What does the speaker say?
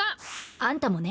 あんたもね。